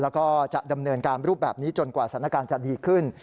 แล้วก็จะดำเนินการรูปแบบนี้จนกว่าสถานการณ์จะดีขึ้น